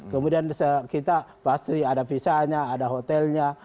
kemudian kita pasti ada visanya ada hotelnya